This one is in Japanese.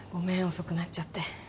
遅くなっちゃって。